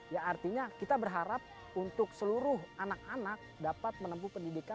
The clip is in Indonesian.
ya artinya kita berharap untuk seluruh anak anak dapat menempuh pendidikan